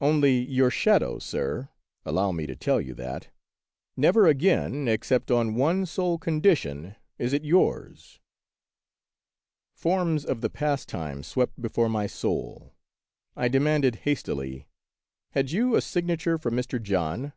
Only your shadow, sir, — allow me to tell you that, — never again, except on one sole condition, is it yours." Forms of the past time swept before my soul. I demanded hastily, " Had you a signature from Mr. John ?